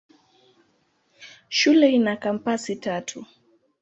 Shule ina kampasi tatu.